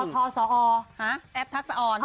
พอสอแอปทักษะออน